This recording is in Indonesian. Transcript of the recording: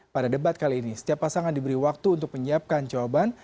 pada debat kali ini setiap pasangan diberi waktu untuk menyiapkan jawaban